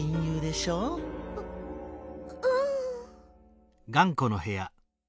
ううん。